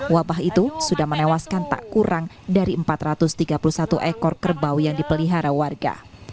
wabah itu sudah menewaskan tak kurang dari empat ratus tiga puluh satu ekor kerbau yang dipelihara warga